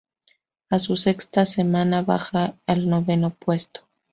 A su sexta semana baja al noveno puesto.